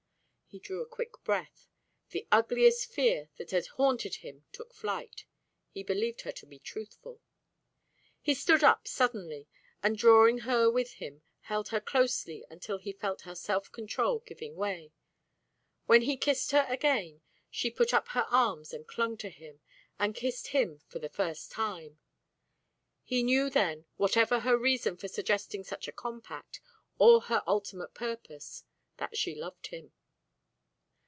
He drew a quick breath. The ugliest fear that had haunted him took flight. He believed her to be truthful. He stood up suddenly, and drawing her with him, held her closely until he felt her self control giving way. When he kissed her again, she put up her arms and clung to him, and kissed him for the first time. He knew then, whatever her reason for suggesting such a compact, or her ultimate purpose, that she loved him.